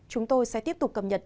chúng tôi sẽ tiếp tục cập nhật